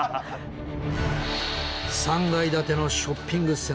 ３階建てのショッピングセンター。